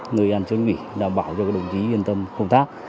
người ăn chứa nghỉ đảm bảo cho các đồng chí yên tâm công tác